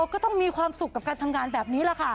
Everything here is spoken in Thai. ก็ต้องมีความสุขกับการทำงานแบบนี้แหละค่ะ